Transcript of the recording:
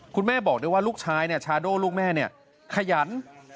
คุณแม่บอกด้วยว่าลูกชายชาโด่ลูกแม่ขยัน